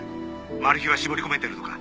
マル被は絞り込めてるのか？